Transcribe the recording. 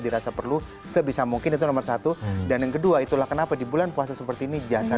dirasa perlu sebisa mungkin itu nomor satu dan yang kedua itulah kenapa di bulan puasa seperti ini jasa